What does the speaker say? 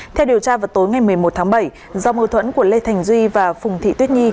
theo điều tra vào tối ngày một mươi một tháng bảy do mâu thuẫn của lê thành duy và phùng thị tuyết nhi